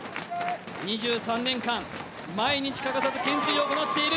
２３年間、毎日欠かさず懸垂を行っている。